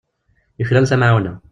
Yuklal tamɛawna.